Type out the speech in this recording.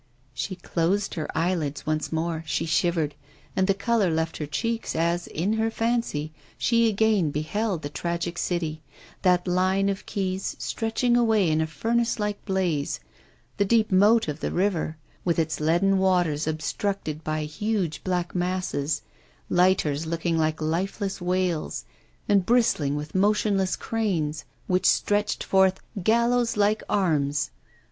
She closed her eyelids once more, she shivered, and the colour left her cheeks as, in her fancy, she again beheld the tragic city that line of quays stretching away in a furnace like blaze, the deep moat of the river, with its leaden waters obstructed by huge black masses, lighters looking like lifeless whales, and bristling with motionless cranes which stretched forth gallows like arms.